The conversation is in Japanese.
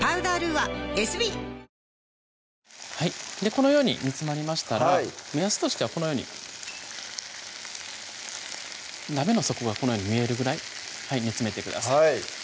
このように煮詰まりましたら目安としてはこのように鍋の底がこのように見えるぐらい煮詰めてください